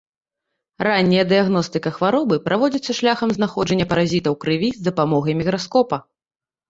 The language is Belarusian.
Ранняя дыягностыка хваробы праводзіцца шляхам знаходжання паразіта ў крыві з дапамогай мікраскопа.